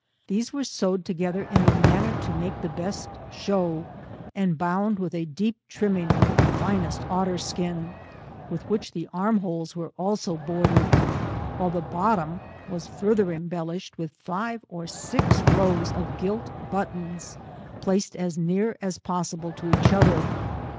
These were sewed together, in a manner to make the best show, and bound with a deep trimming of the finest otter skin, with which the arm hoicv^ were also bordered; while the bottom was farther embellished with five or 8*/x rows of gilt buttons, placed as near as possi ble to each other.